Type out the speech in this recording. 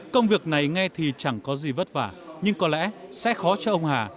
công việc này nghe thì chẳng có gì vất vả nhưng có lẽ sẽ khó cho ông hà